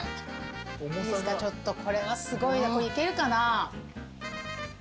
ちょっとこれはすごいよいけるかな？